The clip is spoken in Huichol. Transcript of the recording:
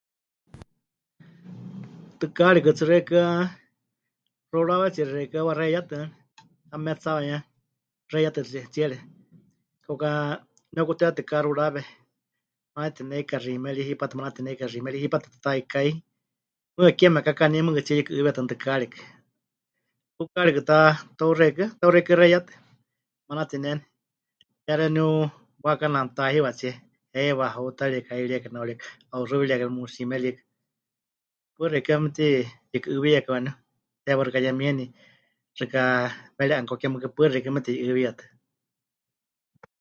Tɨkaarikɨ tsɨ xeikɨ́a xurawetsixi xeikɨ́a waxeiyatɨ, ya metsa waníu xeiyatɨ tsie... tsiere, kauka neukutetɨka xurawe, manatineika xiimeri, hipátɨ manatineika xiimeri, hipátɨ ta taikái. Mɨɨkɨ hakeewa mekakaní mɨɨkɨtsíe yukɨ'ɨɨwíyatɨ waníu tɨkaarikɨ. Tukaarikɨ ta tau xeikɨ́a, tau xeikɨ́a xeiyatɨ, manatineni, ya xeeníu waakana mɨtahiwatsie heiwa, huutárieka, hairieka, naurieka, 'auxɨwirieka ri muxiimerini. Paɨ xeikɨ́a mepɨteyukɨ'ɨɨwíyakai waníu teewa xɨka yemieni, xɨka meri 'anukukemɨkɨ, paɨ xeikɨ́a meteyukɨ'ɨɨwíyatɨ.